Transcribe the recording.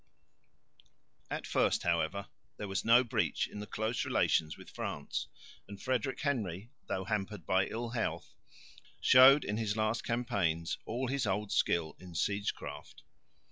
At first, however, there was no breach in the close relations with France; and Frederick Henry, though hampered by ill health, showed in his last campaigns all his old skill in siege craft.